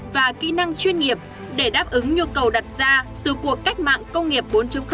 và kỹ năng chuyên nghiệp để đáp ứng nhu cầu đặt ra từ cuộc cách mạng công nghiệp bốn